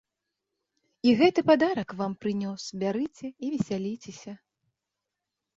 І гэты падарак вам прынёс, бярыце і весяліцеся.